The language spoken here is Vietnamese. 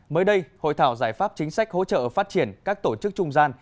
mới đây hội thảo giải pháp chính sách hỗ trợ phát triển các tổ chức trung gian